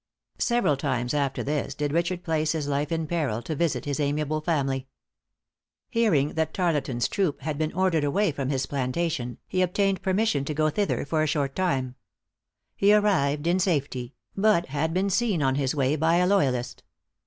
Several times after this did Richard place his life in peril to visit his amiable family. Hearing that Tarleton's troop had been ordered away from his plantation, he obtained permission to go thither for a short time. He arrived in safety; but had been seen on his way by a loyalist.